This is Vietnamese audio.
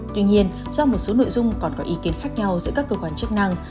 tuy nhiên do một số nội dung còn có ý kiến khác nhau giữa các cơ quan chức năng